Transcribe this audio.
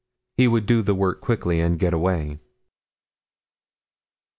He would do the work quickly and get away.